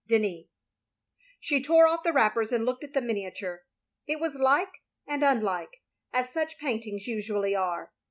" Denis.'' She tore off the wrappers and looked at the HMniature. It was like and unlike, as such paint ings usually are.